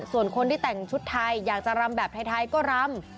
ส่วนคนที่แต่งชุดไทยอยากจะรำแบบไทยก็รำ